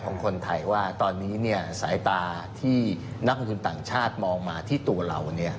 ของคนไทยว่าตอนนี้สายตาที่นักลงทุนต่างชาติมองมาที่ตัวเรา